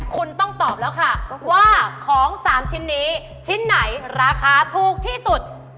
คุณต้องตอบแล้วค่ะว่าของ๓ชิ้นนี้ชิ้นไหนราคาถูกที่สุด